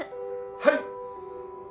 はい！